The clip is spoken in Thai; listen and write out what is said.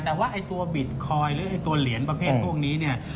แต่ว่าไอ้ตัวบิตคอยน์หรือไอ้ตัวเหรียญประเภทพวกนี้เนี่ย